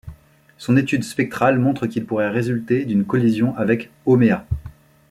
Son étude spectrale montre qu'il pourrait résulter d'une collision avec Hauméa.